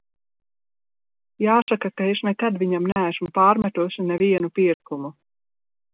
Jāsaka, ka es nekad viņam neesmu pārmetusi nevienu pirkumu.